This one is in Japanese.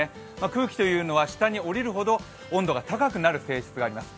空気というのは下に下りるほど温度が高くなる性質があります。